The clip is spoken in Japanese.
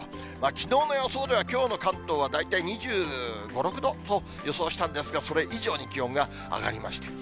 きのうの予想では、きょうの関東は、大体２５、６度と予想したんですが、それ以上に気温が上がりました。